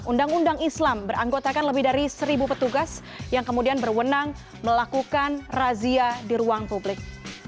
undang undang islam beranggotakan lebih dari seribu petugas yang kemudian berwenang melakukan razia di ruang publik